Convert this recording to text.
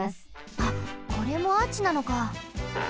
あこれもアーチなのか。